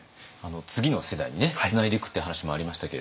次の世代にねつないでいくっていう話もありましたけれども